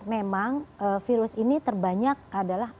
memang virus ini terbanyak adalah